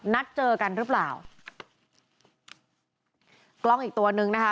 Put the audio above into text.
นัดเจอกันหรือเปล่ากล้องอีกตัวนึงนะคะ